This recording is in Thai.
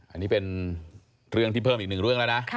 อันนี้เป็นเรื่องที่เพิ่มอีกหนึ่งเรื่องแล้วนะ